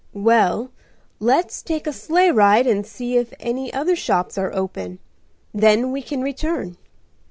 "Well, let's take a sleigh ride and see if any other shops are open. Then we can return."